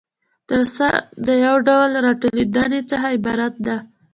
جلسه د یو ډول راټولیدنې څخه عبارت ده.